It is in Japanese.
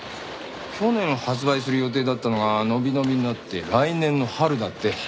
去年発売する予定だったのが延び延びになって来年の春だって。